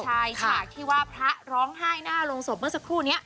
ใช่ฉากที่ว่าพระร้องไห้หน้าโรงศพเมื่อสักครู่นี้